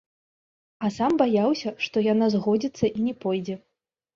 А сам баяўся, што яна згодзіцца і не пойдзе.